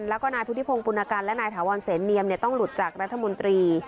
แล้วก็นายพุทธิพงศ์ปุณกันและนายถาวรเสนเนียมต้องหลุดจากรัฐมนตรี